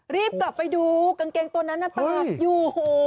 รีบกลับไปดูกางเกงตัวนั้นน่ะตากอยู่